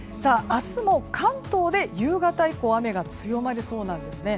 明日も関東で夕方以降雨が強まりそうなんですね。